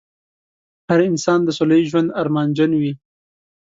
هر انسان د سوله ييز ژوند ارمانجن وي.